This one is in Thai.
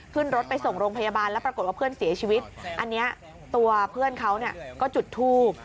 ขึ้นรถไปส่งโรงพยาบาลแล้วปรากฏว่าเพื่อนเสียชีวิตอันนี้ตัวเพื่อนเขาก็จุดทูบ